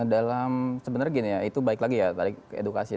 nah dalam sebenarnya gini ya itu baik lagi ya balik ke edukasi